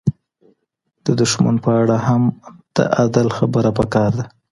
د دښمن په اړه هم د عدل خبره پکار ده.